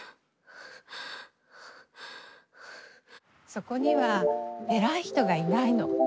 そこには偉い人がいないの。